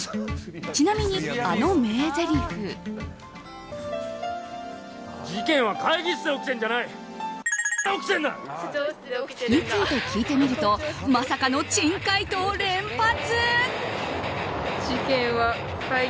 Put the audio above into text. ちなみに、あの名ぜりふ。について聞いてみるとまさかの珍解答連発。